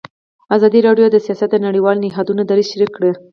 ازادي راډیو د سیاست د نړیوالو نهادونو دریځ شریک کړی.